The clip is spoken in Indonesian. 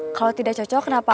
kalau tidak cocok kenapa